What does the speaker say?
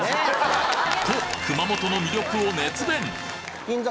と熊本の魅力を熱弁！